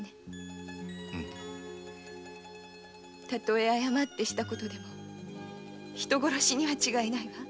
たとえ誤ってした事でも人殺しには違いないわ。